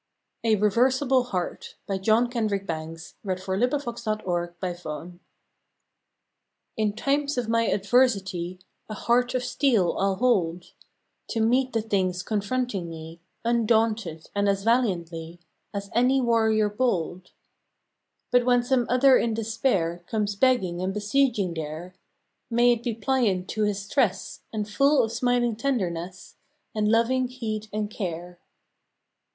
lls That were sheerest foolishness! November Sixteenth A REVERSIBLE HEART TN times of my adversity 1 A heart of steel I ll hold To meet the things confronting me Undaunted and as valiantly As any warrior bold. But when some other in despair Comes begging and besieging there, May it be pliant to his stress And full of smiling tenderness, And loving heed and care!